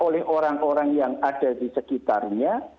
oleh orang orang yang ada di sekitarnya